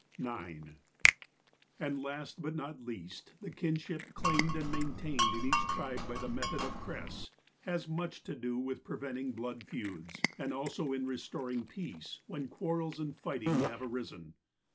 " (9) And last, but not least, the kinship, claimed and maintained in each tribe by the method of crests, has much to do with preventing blood feuds; and also in restoring peace, when quarrels and fighting have arisen.